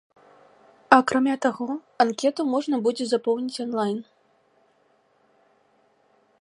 Акрамя таго, анкету можна будзе запоўніць онлайн.